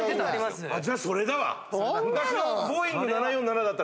じゃあそれだわ。